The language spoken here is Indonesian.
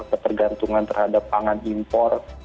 ketergantungan terhadap pangan impor